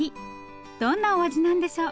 どんなお味なんでしょう？